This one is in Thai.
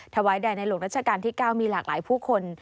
ถวายแด่ในหลวงรัชกาลที่๙มีหลากหลายผู้คน